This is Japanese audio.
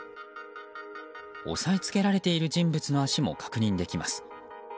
押さえつけられている人物の足も確認できます。